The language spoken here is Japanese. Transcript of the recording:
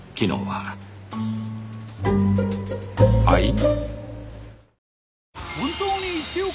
はい？